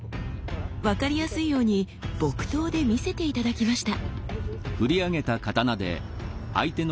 分かりやすいように木刀で見せて頂きました。